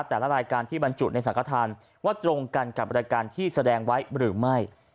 แต่ละรายการที่บรรจุในสังขทานว่าตรงกันกับรายการที่แสดงไว้หรือไม่